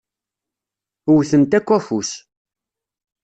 Wwtent akk afus.